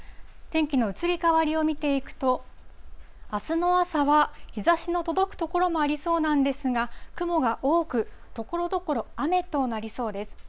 天気の移り変わりを見ていくと、あすの朝は日ざしの届く所もありそうなんですが、雲が多く、ところどころ雨となりそうです。